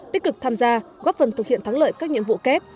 tích cực tham gia góp phần thực hiện thắng lợi các nhiệm vụ kép